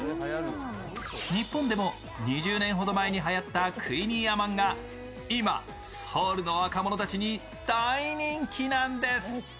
日本でも２０年ほど前にはやったクイニーアマンが今、ソウルの若者たちに大人気なんです。